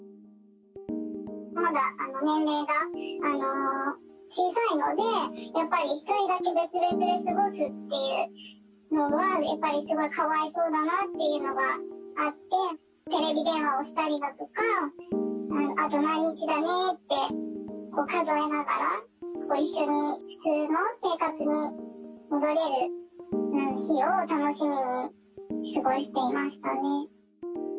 まだ年齢が小さいので、やっぱり１人だけ別々で過ごすというのは、やっぱりすごいかわいそうだなっていうのはあって、テレビ電話をしたりだとか、あと何日だねって、もう数えながら、一緒に普通の生活に戻れる日を楽しみに過ごしていましたね。